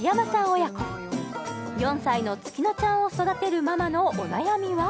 親子４歳の月乃ちゃんを育てるママのお悩みは？